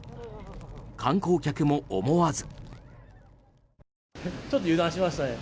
観光客も思わず。